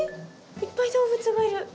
いっぱい動物がいる。